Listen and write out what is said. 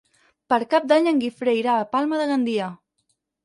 Per Cap d'Any en Guifré irà a Palma de Gandia.